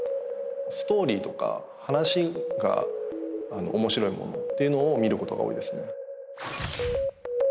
ストーリーとか話が面白いものっていうのを見ることが多いですね